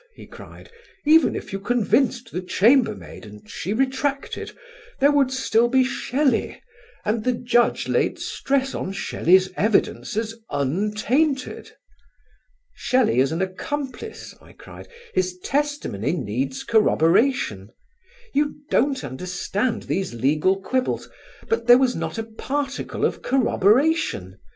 he cried. "Even if you convinced the chambermaid and she retracted; there would still be Shelley, and the Judge laid stress on Shelley's evidence as untainted." "Shelley is an accomplice," I cried, "his testimony needs corroboration. You don't understand these legal quibbles; but there was not a particle of corroboration.